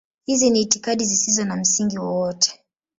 Hizi ni itikadi zisizo na msingi wowote.